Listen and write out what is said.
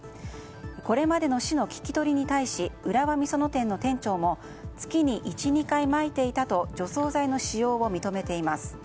これまでの市の聞き取りに対し浦和美園店の店長も月に１、２回まいていたと除草剤の使用を認めています。